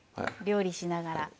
料理しながら。